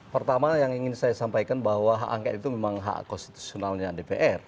pertama yang ingin saya sampaikan bahwa hak angket itu memang hak konstitusionalnya dpr